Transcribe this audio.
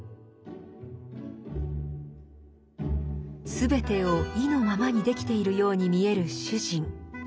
全てを意のままにできているように見える主人。